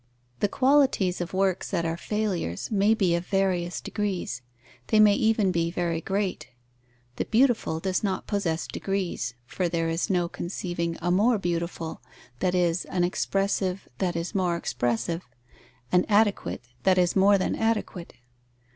The qualities of works that are failures may be of various degrees. They may even be very great. The beautiful does not possess degrees, for there is no conceiving a more beautiful, that is, an expressive that is more expressive, an adequate that is more than adequate.